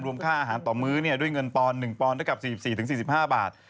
ค่าอาหารต่อมื้อด้วยเงินปอน๑ปอนดได้กับ๔๔๔๕บาท